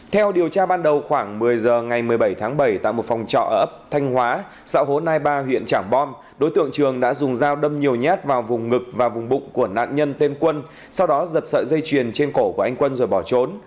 theo điều tra ban đầu khoảng một mươi giờ ngày một mươi bảy tháng bảy tại một phòng trọ ở ấp thanh hóa xã hồ nai ba huyện trảng bom đối tượng trường đã dùng dao đâm nhiều nhát vào vùng ngực và vùng bụng của nạn nhân tên quân sau đó giật sợi dây chuyền trên cổ của anh quân rồi bỏ trốn